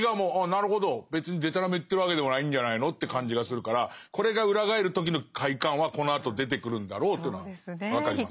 別にでたらめ言ってるわけでもないんじゃないの」って感じがするからこれが裏返る時の快感はこのあと出てくるんだろうというのは分かります。